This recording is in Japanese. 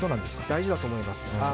大事だと思います。